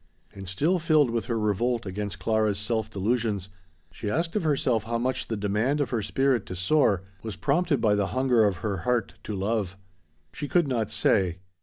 And still filled with her revolt against Clara's self delusions, she asked of herself how much the demand of her spirit to soar was prompted by the hunger of her heart to love. She could not say.